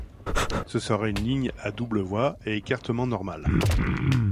Ce sera une ligne à double voie et écartement normal.